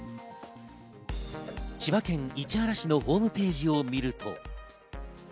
千葉県市原市のホームページを見ると。